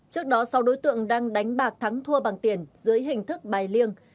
trước đó sau đối tượng đang đánh bạc thắng thua bằng tiền dưới hình thức bài liêng